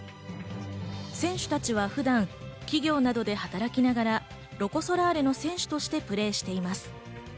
選手たちは普段、企業などで働きながら、ロコ・ソラーレの選手としてプレーしています。